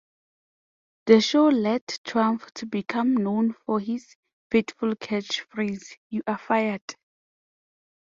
The show led Trump to become known for his fateful catch phrase "You're Fired!".